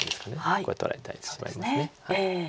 これ取られたらおしまいです。